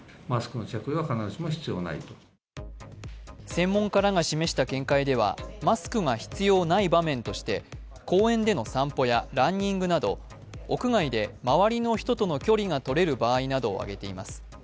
専門家らが示した見解では、マスクが必要ない場面として公園での散歩やランニングなど屋外で周りの人との距離が取れる場合などを挙げています。